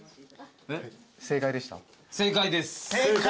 正解でした？